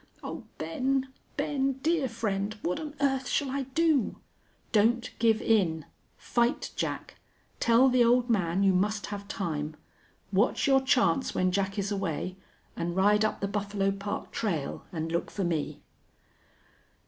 Oh, Ben, Ben! dear friend, what on earth shall I do?" "Don't give in. Fight Jack! Tell the old man you must have time. Watch your chance when Jack is away an' ride up the Buffalo Park trail an' look for me."